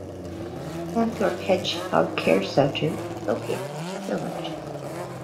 Authorpe Hedgehog Care Centre is located in the village.